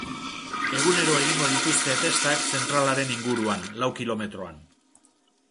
Egunero egingo dituzte testak zentralaren inguruan, lau kilometroan.